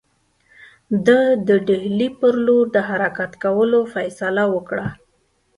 ده د ډهلي پر لور د حرکت کولو فیصله وکړه.